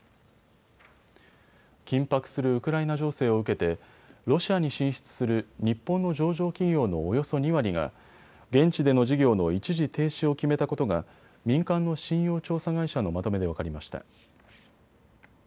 緊迫するウクライナ情勢を受けてロシアに進出する日本の上場企業のおよそ２割が現地での事業の一時停止を決めたことが民間の信用調査会社のまとめで分かりました。